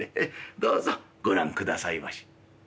どうぞご覧くださいまし」。